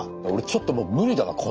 俺ちょっともう無理だな